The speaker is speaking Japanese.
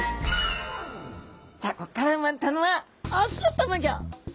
さあここから生まれたのは雄のたまギョ。